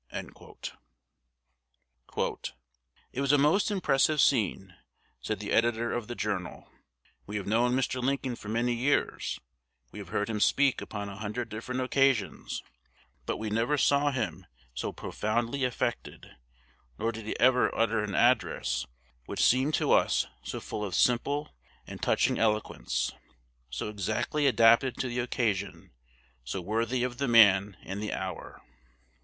"It was a most impressive scene," said the editor of "The Journal." "We have known Mr. Lincoln for many years; we have heard him speak upon a hundred different occasions; but we never saw him so profoundly affected, nor did he ever utter an address which seemed to us so full of simple and touching eloquence, so exactly adapted to the occasion, so worthy of the man and the hour."